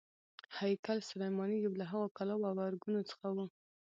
هیکل سلیماني یو له هغو کلاوو او ارګونو څخه و.